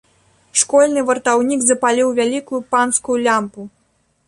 Школьны вартаўнік запаліў вялікую, панскую лямпу.